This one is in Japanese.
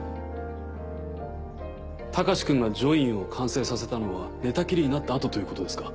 隆君が『ジョイン』を完成させたのは寝たきりになった後ということですか？